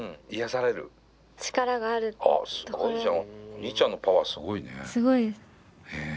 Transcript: お兄ちゃんのパワーすごいね。